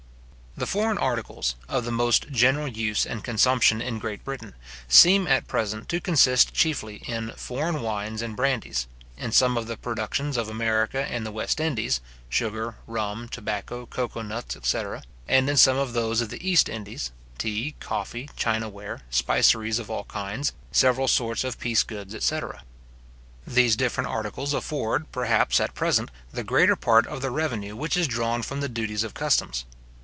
The foreign articles, of the most general use and consumption in Great Britain, seem at present to consist chiefly in foreign wines and brandies; in some of the productions of America and the West Indies, sugar, rum, tobacco, cocoa nuts, etc. and in some of those of the East Indies, tea, coffee, china ware, spiceries of all kinds, several sorts of piece goods, etc. These different articles afford, the greater part of the perhaps, at present, revenue which is drawn from the duties of customs.